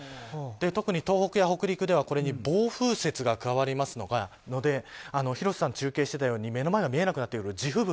特に東北や北陸ではこれに暴風雪が加わりますので広瀬さんが中継していたように目の前が見えなくなるような地吹雪。